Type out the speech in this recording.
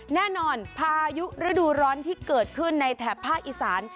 พายุฤดูร้อนที่เกิดขึ้นในแถบภาคอีสาน